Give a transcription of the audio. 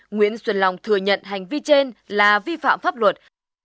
nguyễn xuân long thừa nhận hành vi trên là vi phạm pháp luật